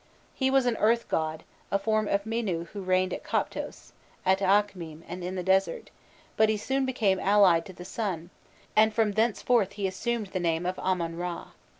He was an earth god, a form of Mînû who reigned at Koptos, at Akhmîm and in the desert, but he soon became allied to the sun, and from thenceforth he assumed the name of Amon Râ.